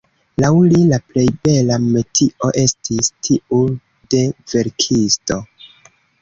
Laŭ li, «la plej bela metio estis tiu de verkisto».